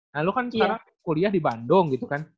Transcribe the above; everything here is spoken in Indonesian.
nah lo kan sekarang kuliah di bandung gitu kan